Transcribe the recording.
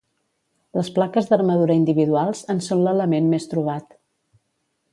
Les plaques d'armadura individuals en són l'element més trobat.